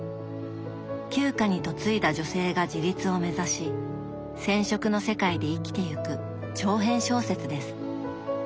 旧家に嫁いだ女性が自立を目指し染織の世界で生きてゆく長編小説です。